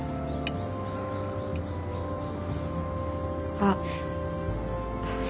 あっ。